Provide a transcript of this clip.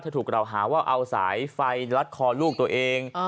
ถูกกล่าวหาว่าเอาสายไฟลัดคอลูกตัวเอง